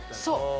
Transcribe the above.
そう。